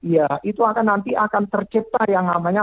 ya itu akan nanti akan tercipta yang namanya